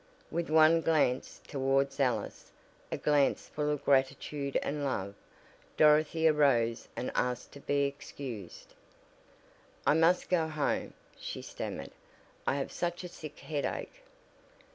With one glance towards Alice a glance full of gratitude and love. Dorothy arose and asked to be excused. "I must go home " she stammered "I have such a sick headache."